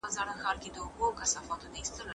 تاسي تل راسئ.